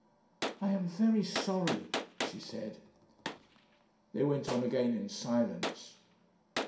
"I am very sorry," she said. They went on again in silence.